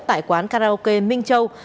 tại quán karaoke minh châu